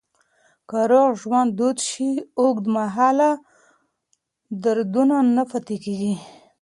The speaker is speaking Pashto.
که روغ ژوند دود شي، اوږدمهاله دردونه نه پاتې کېږي.